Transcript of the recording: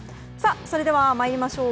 それでは参りましょう。